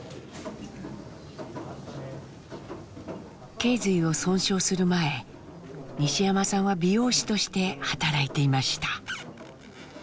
けい随を損傷する前西山さんは美容師として働いていました。